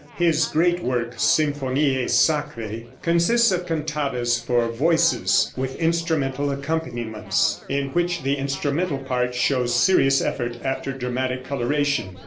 His great work "Symphoniæ Sacræ," consists of cantatas for voices, with instrumental accompaniments, in which the instrumental part shows serious effort after dramatic coloration.